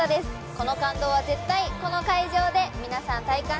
この感動は絶対この会場で皆さん体感してください。